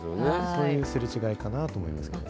そういう違いかなと思いますけどね。